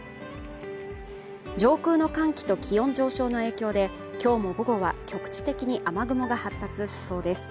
上空の寒気と気温上昇の影響できょうも午後は局地的に雨雲が発達しそうです